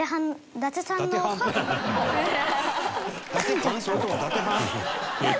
「伊達はん」。